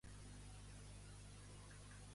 Quins elements no poden anar a la presó?